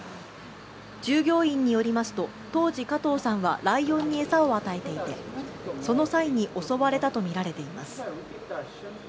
従業員によりますと当時、加藤さんはライオンに餌を与えていてその際に襲われたとみられています。